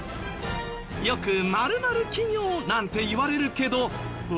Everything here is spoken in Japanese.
よく○○企業なんていわれるけどわかる？